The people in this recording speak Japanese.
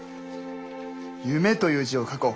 「夢」という字を書こう。